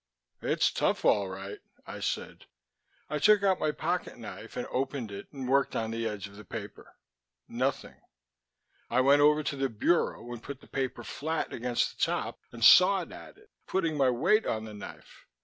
"It's tough, all right," I said. I took out my pocket knife and opened it and worked on the edge of the paper. Nothing. I went over to the bureau and put the paper flat against the top and sawed at it, putting my weight on the knife.